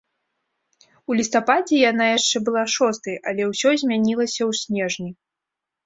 У лістападзе яна яшчэ была шостай, але ўсё змянілася ў снежні.